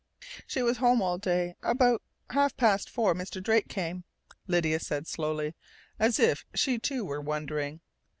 "She was home all day, but about half past four Mr. Drake came," Lydia said slowly, as if she too were wondering.